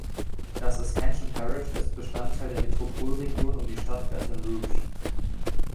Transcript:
Das Ascension Parish ist Bestandteil der Metropolregion um die Stadt Baton Rouge.